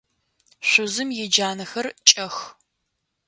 Шъузым иджанэхэр кӏэх.